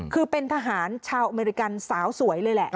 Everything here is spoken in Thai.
คือเป็นทหารชาวอเมริกันสาวสวยเลยแหละ